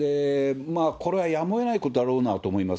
これはやむをえないことだろうなと思います。